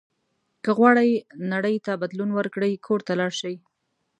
که غواړئ نړۍ ته بدلون ورکړئ کور ته لاړ شئ.